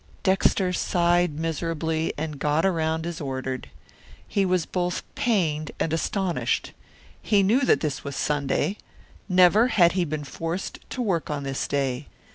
Dexter sighed miserably and got around as ordered. He was both pained and astonished. He knew that this was Sunday. Never had he been forced to work on this day.